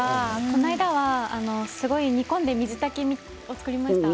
この間はすごい煮込んで水炊きを作りました。